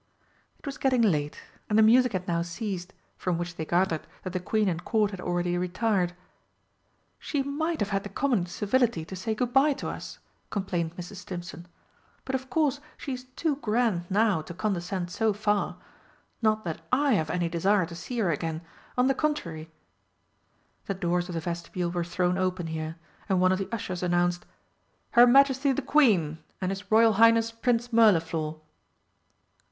It was getting late, and the music had now ceased, from which they gathered that the Queen and Court had already retired. "She might have had the common civility to say good bye to us!" complained Mrs. Stimpson, "but of course she is too grand now to condescend so far! Not that I have any desire to see her again. On the contrary!" The doors of the Vestibule were thrown open here and one of the ushers announced: "Her Majesty the Queen and His Royal Highness Prince Mirliflor."